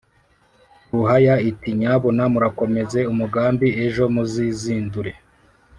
ruhaya iti « nyabuna murakomeze umugambi ejo muzizindure